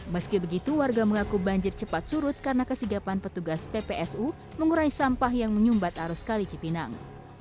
meski begitu warga mengaku banjir cepat surut karena kesigapan petugas ppsu mengurai sampah yang menyumbat arus kali cipinang